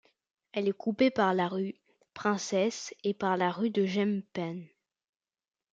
Elle est coupée par la rue Princesse et par la rue de Jemmappes.